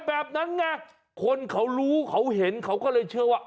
แบบนั้นไงคนเขารู้เขาเห็นเขาก็เลยเชื่อว่า